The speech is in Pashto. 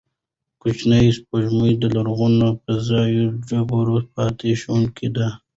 کوچنۍ سپوږمۍ د لرغونو فضايي ډبرو پاتې شوني دي.